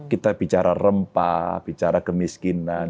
kita bicara rempah bicara kemiskinan